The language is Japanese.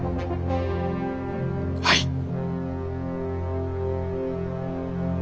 はい。